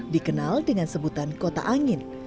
dikenal dengan sebutan kota angin